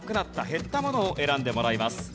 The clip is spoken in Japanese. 減ったものを選んでもらいます。